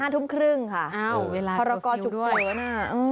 ๕ทุ่มครึ่งค่ะโอ้วเวลาเคอร์ฟิลด้วยพอรักษ์ก็จุกเจ๋อนะ